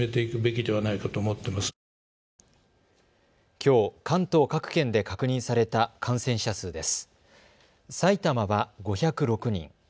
きょう、関東各県で確認された感染者数です。